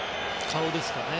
顔ですかね。